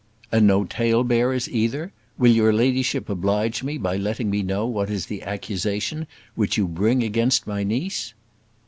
"And no talebearers either? Will your ladyship oblige me by letting me know what is the accusation which you bring against my niece?"